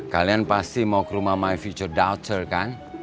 kalian pasti mau ke rumah my future doctor kan